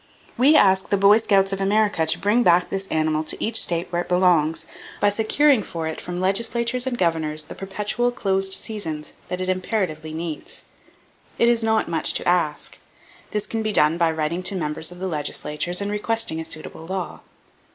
We ask the Boy Scouts of America to bring back this animal to each state where it belongs, by securing for it from legislatures and governors the perpetual closed seasons that it imperatively needs. It is not much to ask. This can be done by writing to members of the legislatures and requesting a suitable law.